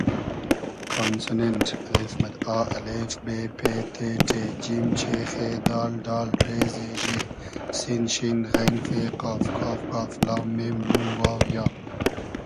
کانسونېنݖ: آ ا ب پ ت ݖ ج چ خ د ۮ ر ز ژ س ش غ ف ق ک گ ل م ن و ی